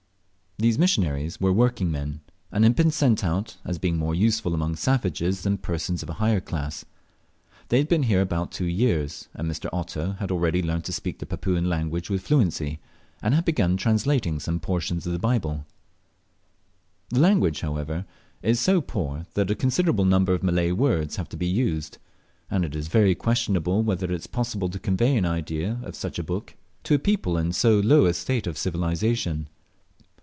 These missionaries were working men, and had been sent out, as being more useful among savages than persons of a higher class. They had been here about two years, and Mr. Otto had already learnt to speak the Papuan language with fluency, and had begun translating some portions of the Bible. The language, however, is so poor that a considerable number of Malay words have to be used; and it is very questionable whether it is possible to convey any idea of such a book, to a people in so low a state of civilization.